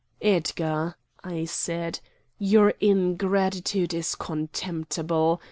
"Edgar," I said, "your ingratitude is contemptible.